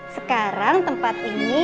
sekarang tempat ini